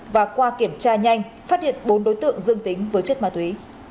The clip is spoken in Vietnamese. và qua kiểm tra nhanh phát hiện bốn đối tượng dương tính với chất ma túy